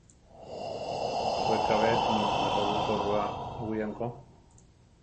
Wekabé tumu napabúpo rua awíame ko.